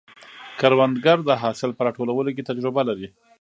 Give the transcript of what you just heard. کروندګر د حاصل په راټولولو کې تجربه لري